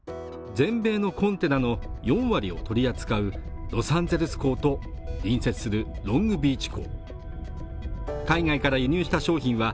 全米のコンテナの４割を取り扱うロサンゼルス港と隣接するロングビーチ港